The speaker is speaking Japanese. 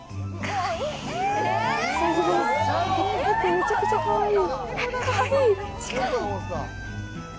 めちゃくちゃかわいい。